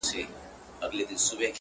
• لار یې کړه بدله لکه نه چي زېږېدلی وي ,